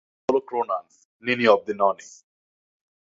ও হলো ক্রোনান, নিনি of the Noni.